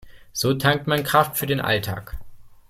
So tankt man Kraft für den Alltag.